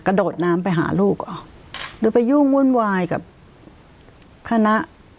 กระโดดน้ำไปหาลูกเหรอหรือไปยุ่งวุ่นวายกับคณะ